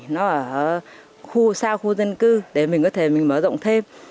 nó ở khu xa khu dân cư để mình có thể mình mở rộng thêm